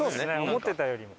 思ってたよりも。